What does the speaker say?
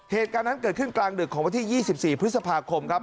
เหตุการณ์นั้นเกิดขึ้นกลางดึกของวันที่๒๔พฤษภาคมครับ